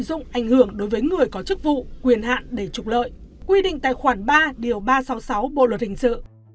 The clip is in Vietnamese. dụng ảnh hưởng đối với người có chức vụ quyền hạn để trục lợi quy định tài khoản ba điều ba trăm sáu mươi sáu bộ luật hình sự